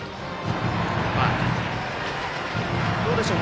どうでしょう。